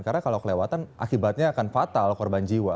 karena kalau kelewatan akibatnya akan fatal korban jiwa